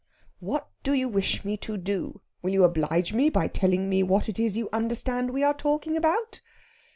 "What do you wish me to do? Will you oblige me by telling me what it is you understand we are talking about?"